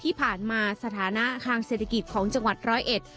ที่ผ่านมาสถานะทางเศรษฐกิจของจังหวัด๑๐๑